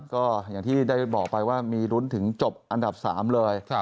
ก็อย่างที่ได้บอกไปว่ามีรุ้นถึงจบอันดับ๓เลย